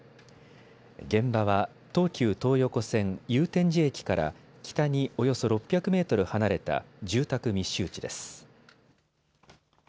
現場は東急東横線祐天寺駅から北におよそ６００メートル離れた住宅密集地です。